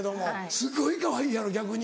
すごいかわいいやろ逆に。